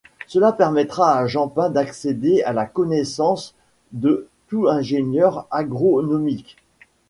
Cela permettra à Jean Pain d'accéder à la connaissance de tout Ingénieur Agronomique.